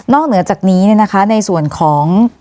เหนือจากนี้ในส่วนของ